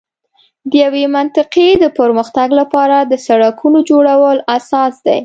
د یوې منطقې د پر مختګ لپاره د سړکونو جوړول اساس دی.